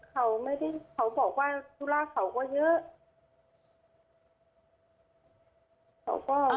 เขาไม่ได้เขาบอกว่าธุระเขาก็เยอะ